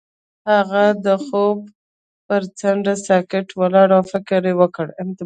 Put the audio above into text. هغه د خوب پر څنډه ساکت ولاړ او فکر وکړ.